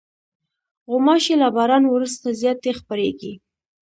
غوماشې له باران وروسته زیاتې خپرېږي.